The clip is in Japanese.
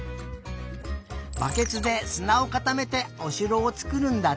バケツですなをかためておしろをつくるんだって。